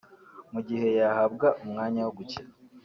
Mu gihe yahabwa umwanya wo gukina